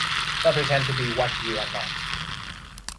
Don’t pretend to be what your are not.